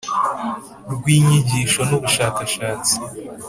Rw inyigisho n ubushakashatsi